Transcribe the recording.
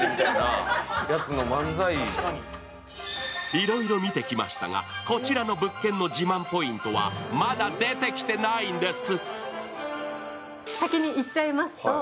いろいろ見てきましたが、こちらの物件の自慢ポイントは、まだ出てきてないんです。